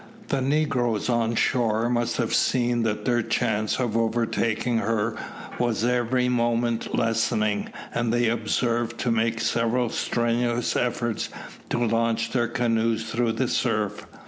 The negroes on shore must have seen that their chance of overtaking her was every moment lessening, and they were observed to make several strenuous efforts to launch their canoes through the surf.